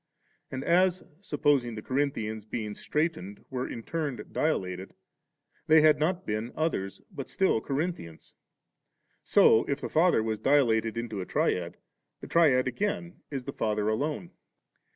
And as, supposing the Corinthians being straitened were m turn dilated, they had not been others, but still Corinthians, so if the Father was dilated into a Triad, the Triad again is the Father alone.